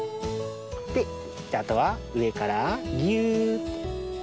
じゃあとはうえからぎゅ。